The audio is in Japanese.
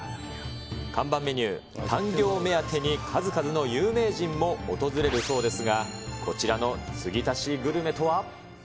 看板メニュー、タンギョー目当てに数々の有名人も訪れるそうですが、こちらの継ぎ足しグルメとは。